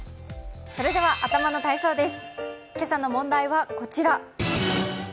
それでは頭の体操です。